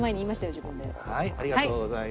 自分で。